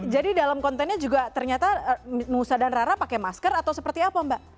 jadi dalam kontennya juga ternyata nusa dan rara pakai masker atau seperti apa mbak